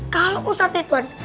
kalau ustadz ridwan